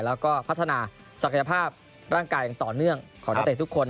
แล้วก็พัฒนาศักยภาพร่างกายอย่างต่อเนื่องของนักเตะทุกคน